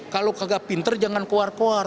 kalau kagak pinter jangan kuar kuar